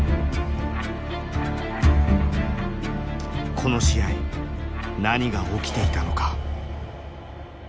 この試合何が起きていたのか。